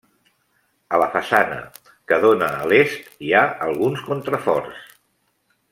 A la façana, que dóna a l'est hi ha alguns contraforts.